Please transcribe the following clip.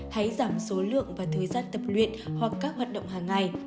hãy giảm số lượng và thời gian tập luyện hoặc các hoạt động hàng ngày